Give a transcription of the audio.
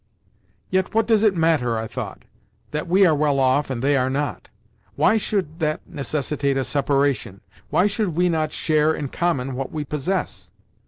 "Yet what does it matter," I thought, "that we are well off and they are not? Why should that necessitate a separation? Why should we not share in common what we possess?"